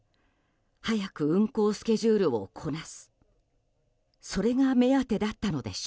早く運航スケジュールをこなす。